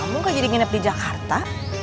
gue gak jadi nginep di jakarta